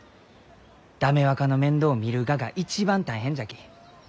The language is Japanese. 駄目若の面倒を見るがが一番大変じゃき。